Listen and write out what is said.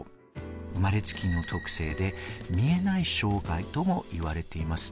生まれつきの特性で、見えない障害ともいわれています。